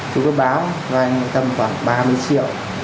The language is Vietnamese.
chú cứ báo cho anh tầm khoảng ba mươi triệu